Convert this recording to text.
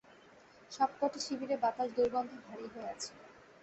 সব কটি শিবিরে বাতাস দুর্গন্ধে ভারী হয়ে আছে।